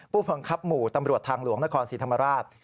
ผู้บังคับหมู่ตำรวจทางหลวงนครศรีธรรมราช